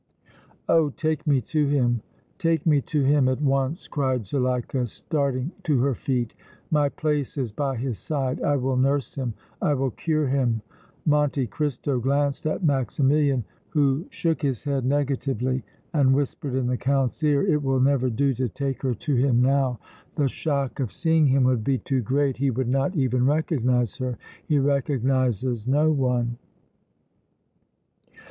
"Oh! take me to him, take me to him at once!" cried Zuleika, starting to her feet. "My place is by his side! I will nurse him, I will cure him!" Monte Cristo glanced at Maximilian, who shook his head negatively and whispered in the Count's ear: "It will never do to take her to him now; the shock of seeing him would be too great! He would not even recognize her he recognizes no one!"